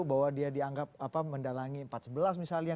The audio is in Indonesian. bahwa dia dianggap mendalangi empat sebelas misalnya